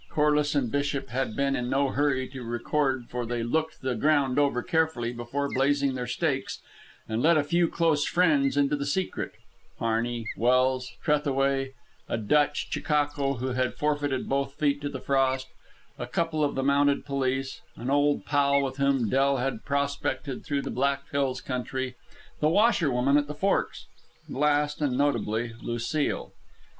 Corliss and Bishop had been in no hurry to record for they looked the ground over carefully before blazing their stakes, and let a few close friends into the secret, Harney, Welse, Trethaway, a Dutch chechaquo who had forfeited both feet to the frost, a couple of the mounted police, an old pal with whom Del had prospected through the Black Hills Country, the washerwoman at the Forks, and last, and notably, Lucile.